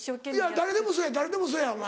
誰でもそうや誰でもそうやお前。